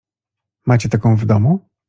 "Macie taką w domu?"